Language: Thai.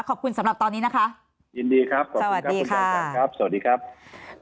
ขอบคุณสำหรับตอนนี้นะคะยินดีครับสวัสดีครับสวัสดีครับสวัสดีค่ะ